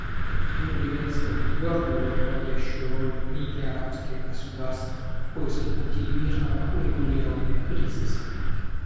Мы приветствуем твердую руководящую роль Лиги арабских государств в поиске путей мирного урегулирования кризиса.